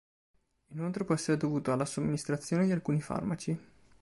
Inoltre può essere dovuta alla somministrazione di alcuni farmaci.